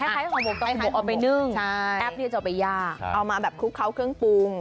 คล้ายห่อหมกต้องห่อหมกเอาไปนึ่งแอปนี้จะเอาไปย่างเอามาแบบคลุกเคล้าเครื่องปรุง